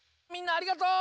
ありがとう！